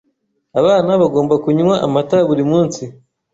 Abana bagomba kunywa amata buri munsi.